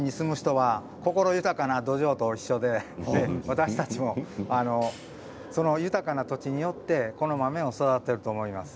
この土地に住む人は心豊かな土壌と一緒で私たちもその豊かな土地によってこの豆を育てていると思います。